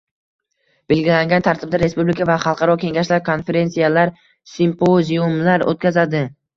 belgilangan tartibda respublika va xalqaro kengashlar, konferensiyalar, simpoziumlar o`tkazadi;